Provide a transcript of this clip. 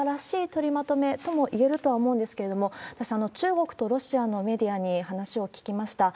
取りまとめともいえるとは思うんですけれども、私、中国とロシアのメディアに話を聞きました。